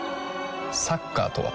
サッカーとは？